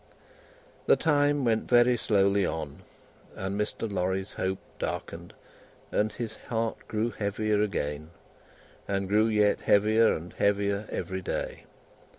The time went very slowly on, and Mr. Lorry's hope darkened, and his heart grew heavier again, and grew yet heavier and heavier every day.